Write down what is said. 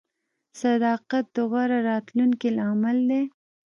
• صداقت د غوره راتلونکي لامل دی.